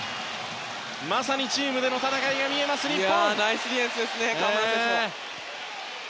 まさにチームでの戦いが見えます日本。